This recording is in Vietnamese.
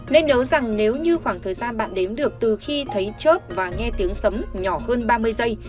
nên nấu rằng nếu như khoảng thời gian bạn đếm được từ khi thấy chóp và nghe tiếng sấm nhỏ hơn ba mươi giây